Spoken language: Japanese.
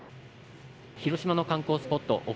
広島の観光スポット